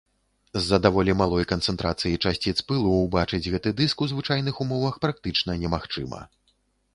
З-за даволі малой канцэнтрацыі часціц пылу убачыць гэты дыск у звычайных умовах практычна немагчыма.